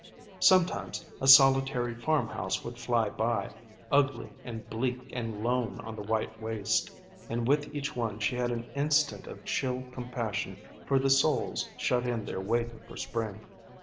Sometimes a solitary farmhouse would fly by, ugly and bleak and lone on the white waste; and with each one she had an instant of chill compassion for the souls shut in there waiting for spring.